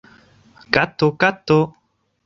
Kato! Kato!